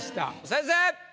先生！